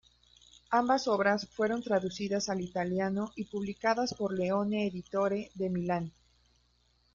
Ambas obras fueron traducidas al italiano y publicadas por Leone Editore, de Milán.